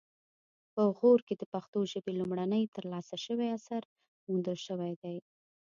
په غور کې د پښتو ژبې لومړنی ترلاسه شوی اثر موندل شوی دی